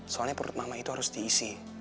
soalnya perut mama itu harus diisi